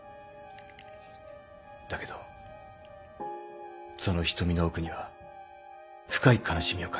だけどその瞳の奥には深い悲しみを感じた。